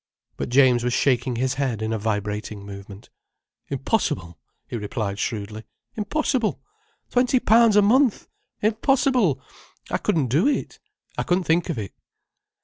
But James was shaking his head in a vibrating movement. "Impossible!" he replied shrewdly. "Impossible! Twenty pounds a month? Impossible. I couldn't do it. I couldn't think of it."